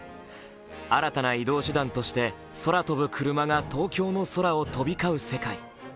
新たな移動手段として空飛ぶクルマが東京の空を飛び交う世界。